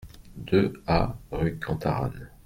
deux A rue Cantarane